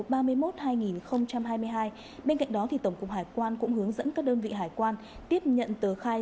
bên cạnh đó tổng cục hải quan cũng hướng dẫn các đơn vị hải quan tiếp nhận tờ khai